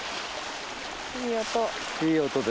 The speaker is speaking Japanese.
いい音。